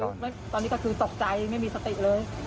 แล้วตอนนี้ก็คือตกใจไม่มีสติเลย